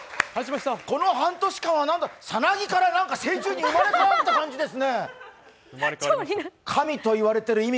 この半年間は、なんかさなぎから成虫に生まれ変わった感じです。